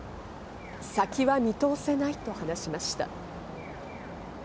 先は見通せないと話しました。